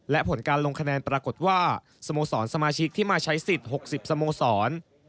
และผลการลงคะแนนปรากฏว่าสโมสรสมาชิกที่มาใช้สิทธิ์๖๐สโมสร